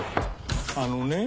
あのね